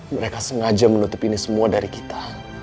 mereka sengaja menutup ini semua dari kita